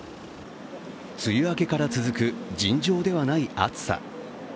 梅雨明けから続く尋常ではない暑さ。